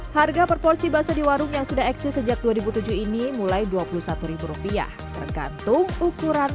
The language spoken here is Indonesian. harga perporsi bakso di warung yang sudah eksis sejak dua ribu tujuh ini mulai dua puluh satu rupiah tergantung ukuran